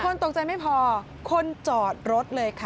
คนตกใจไม่พอคนจอดรถเลยค่ะ